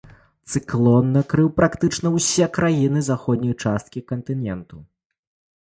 Цыклон накрыў практычна ўсе краіны заходняй часткі кантыненту.